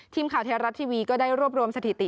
ทีมข่าวไทยรัฐทีวีก็ได้รวบรวมสถิติ